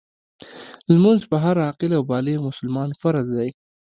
لمونځ په هر عاقل او بالغ مسلمان فرض دی .